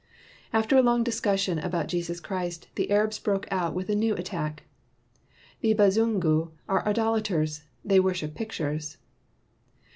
After a long discussion about Jesus Christ, the Arabs broke out with a new at tack. "The Bazungu are idolaters, they worship pictures."